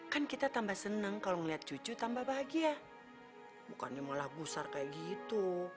kan kita tambah senang kalau melihat cucu tambah bahagia bukannya malah busar kayak gitu